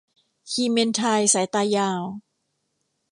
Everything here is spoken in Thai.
คลีเมนไทน์สายตายาว